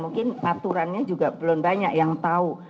mungkin aturannya juga belum banyak yang tahu